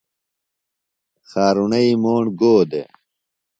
خارُݨئی موݨ گو دےۡ ؟